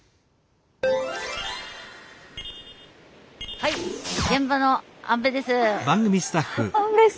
はい現場の安部です。